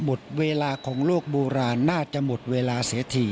หมดเวลาของโลกโบราณน่าจะหมดเวลาเสียที